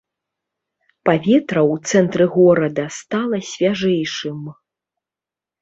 Паветра ў цэнтры горада стала свяжэйшым.